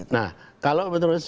nah kalau menurut saya itu